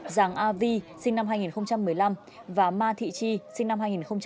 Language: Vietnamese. giàng a vi sinh năm hai nghìn một mươi năm và ma thị tri sinh năm hai nghìn một mươi bốn